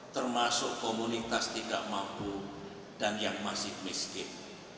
termasuk komunitas tidak mampu dan yang masih miskin